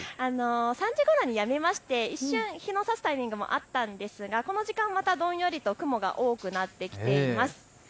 ３時ごろにやみまして一瞬、日のさすタイミングもあったんですがこの時間、またどんよりと雲が多くなってきています。